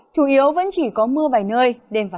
chủ yếu vẫn chỉ có mưa vài nơi